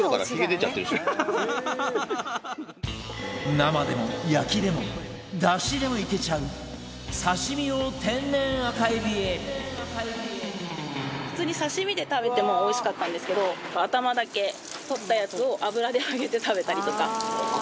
生でも焼きでも出汁でもいけちゃう刺身用普通に刺身で食べてもおいしかったんですけど頭だけ取ったやつを油で揚げて食べたりとか。